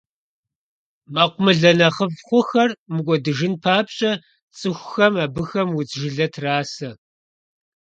Мэкъумылэ нэхъыфӀ хъухэр мыкӀуэдыжын папщӀэ, цӀыхухэм абыхэм удз жылэ трасэ.